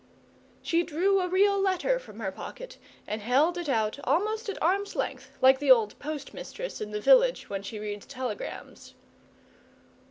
She drew a real letter from her pocket, and held it out almost at arm's length, like the old post mistress in the village when she reads telegrams.